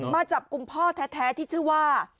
มาจับกลุ่มพ่อแท้ที่ชื่อว่า